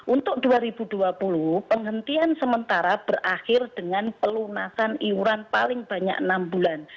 untuk dua ribu dua puluh penghentian sementara berakhir dengan pelunasan iuran paling banyak enam bulan